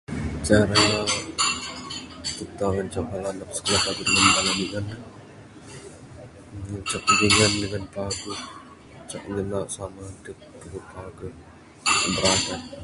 Cara kita ngancak anak bala sikulah paguh dengan bala dingan ne ngancak bidingan dengan paguh, ngancak mina sama dep dengan paguh biradat.